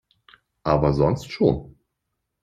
Aber sonst schon.